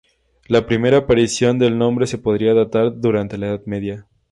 La primera aparición del nombre se podría datar durante la Edad Media.